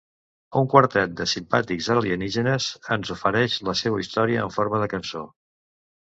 Un quartet de simpàtics alienígenes ens ofereix la seua història en forma de cançó.